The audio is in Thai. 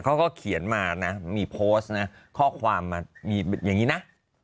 เขาก็เขียนมานะมีโพสต์นะข้อความมามีอย่างนี้นะ